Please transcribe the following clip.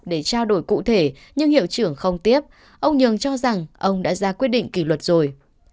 để trao đổi cụ thể nhưng hiệu trưởng không tiếp ông nhường cho rằng ông đã ra quyết định kỷ luật rồi